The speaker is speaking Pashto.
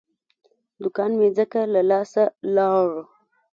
دوکان مې ځکه له لاسه لاړ.